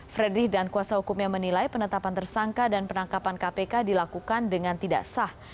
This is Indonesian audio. fredrik dan kuasa hukumnya menilai penetapan tersangka dan penangkapan kpk dilakukan dengan tidak sah